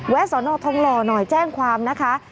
สอนอทองหล่อหน่อยแจ้งความนะคะ